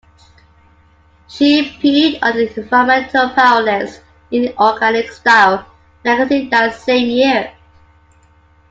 She appeared on the "Environmental Power List" in "Organic Style" magazine that same year.